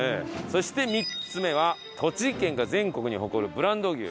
そして３つ目は栃木県が全国に誇るブランド牛